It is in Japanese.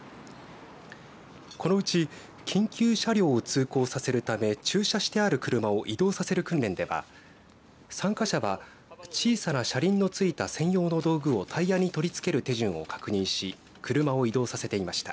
このうち緊急車両を通行させるため駐車してある車を移動させる訓練では参加者は、小さな車輪の付いた専用の道具をタイヤに取り付ける手順を確認し車を移動させていました。